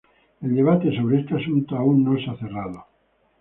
El debate sobre este asunto aún no se ha cerrado.